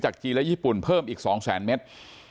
จีนและญี่ปุ่นเพิ่มอีก๒๐๐๐เมตร